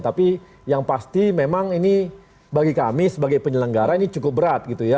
tapi yang pasti memang ini bagi kami sebagai penyelenggara ini cukup berat gitu ya